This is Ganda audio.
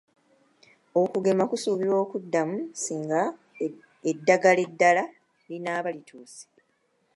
Okugema kusuubirwa okuddamu singa eddagala eddala linaaba lituuse.